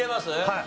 はい。